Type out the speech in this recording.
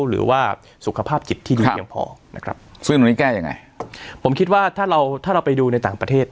หรือว่าสุขภาพจิตที่ดีเพียงพอนะครับผมคิดว่าถ้าเราไปดูในต่างประเทศ